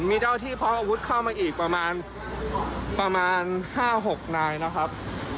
มีเจ้าที่พร้อมอาวุธเข้ามาอีกประมาณ๕๖นายนะครับ